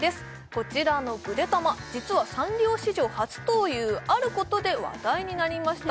こちらのぐでたま実はサンリオ史上初というあることで話題になりました